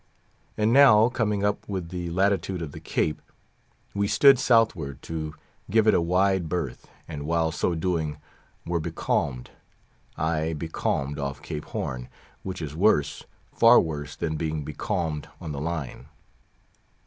And now coming up with the latitude of the Cape, we stood southward to give it a wide berth, and while so doing were becalmed; ay, becalmed off Cape Horn, which is worse, far worse, than being becalmed on the Line.